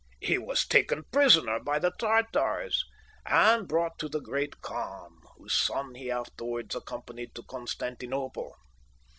He was taken prisoner by the Tartars, and brought to the Great Khan, whose son he afterwards accompanied to Constantinople.